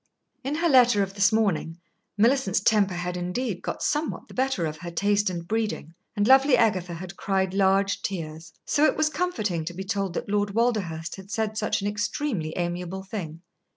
In her letter of this morning, Millicent's temper had indeed got somewhat the better of her taste and breeding, and lovely Agatha had cried large tears. So it was comforting to be told that Lord Walderhurst had said such an extremely amiable thing.